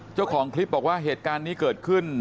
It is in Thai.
เจ้าของคลิปบอกว่าเหตุการณ์นี้เกิดขึ้น